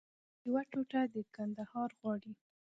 یوه ټوټه د کندهار غواړي